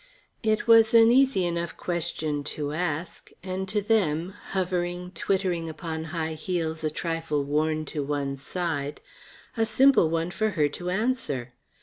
It was an easy enough question to ask and, to them, hovering twittering upon high heels a trifle worn to one side, a simple one for her to answer.